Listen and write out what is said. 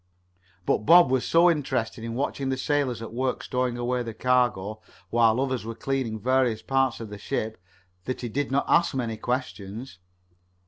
But Bob was so interested in watching the sailors at work stowing away the cargo, while others were cleaning various parts of the ship, that he did not ask many questions.